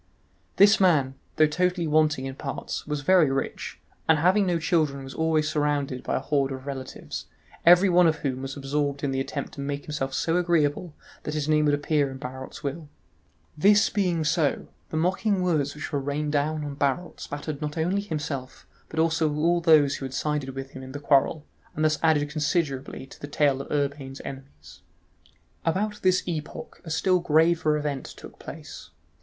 This man, though totally wanting in parts, was very rich, and having no children was always surrounded by a horde of relatives, every one of whom was absorbed in the attempt to make himself so agreeable that his name would appear in Barot's will. This being so, the mocking words which were rained down on Barot spattered not only himself but also all those who had sided with him in the quarrel, and thus added considerably to the tale of Urbain's enemies. About this epoch a still graver event took place.